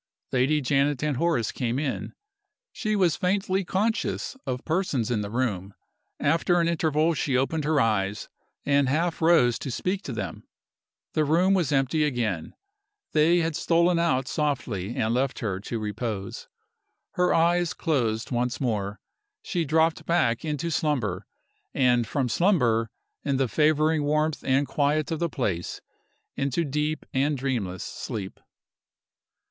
Lady Janet and Horace came in. She was faintly conscious of persons in the room. After an interval she opened her eyes, and half rose to speak to them. The room was empty again. They had stolen out softly and left her to repose. Her eyes closed once more. She dropped back into slumber, and from slumber, in the favoring warmth and quiet of the place, into deep and dreamless sleep.